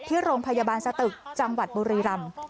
ที่โรงพยาบาลสตึกจังหวัดบุรีรำ